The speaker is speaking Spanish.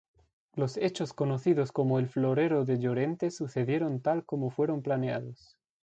Los hechos conocidos como El Florero de Llorente sucedieron tal como fueron planeados.